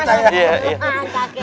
kangen lukman kakek